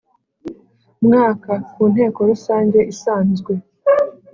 Mwaka ku nteko rusange isanzwe